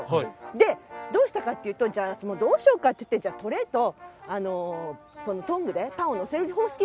でどうしたかっていうとどうしようかっていってトレーとトングでパンをのせる方式にしようっていって。